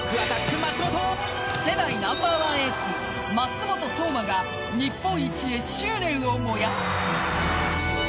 世代ナンバーワンエース舛本颯真が日本一へ執念を燃やす。